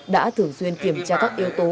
đã thường xuyên kiểm tra các yếu tố